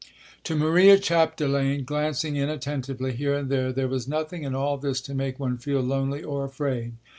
To Maria Chapdelaine, glancing inattentively here and there, there was nothing in all this to make one feel lonely or afraid.